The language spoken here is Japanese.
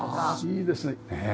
いいですねねえ。